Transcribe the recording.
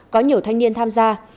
có nhiều thanh niên tham gia